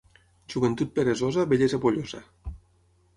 Joventut peresosa, vellesa pollosa.